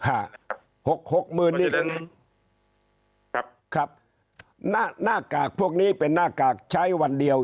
หกหกหมื่นนี่ครับครับหน้าหน้ากากพวกนี้เป็นหน้ากากใช้วันเดียว